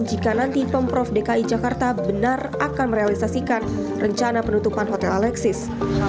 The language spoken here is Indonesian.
jika nanti pemprov dki jakarta benar akan merealisasikan rencana penutupan hotel alexis